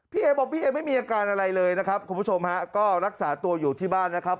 เอบอกพี่เอไม่มีอาการอะไรเลยนะครับคุณผู้ชมฮะก็รักษาตัวอยู่ที่บ้านนะครับ